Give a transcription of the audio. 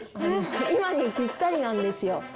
今にぴったりなんですよ。